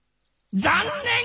残念！